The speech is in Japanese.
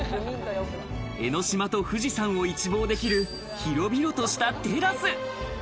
江の島と富士山を一望できる、広々としたテラス。